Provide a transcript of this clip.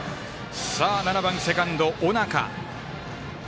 ７番、セカンド、尾中。